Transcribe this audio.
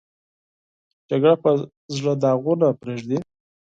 جګړه په زړه داغونه پرېږدي